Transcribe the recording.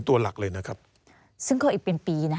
การเลือกตั้งครั้งนี้แน่